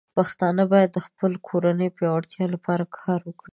پښتانه بايد د خپلو کورنيو پياوړتیا لپاره کار وکړي.